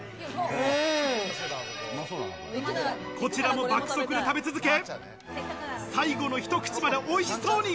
こちらも爆速で食べ続け、最後の一口までおいしそうに。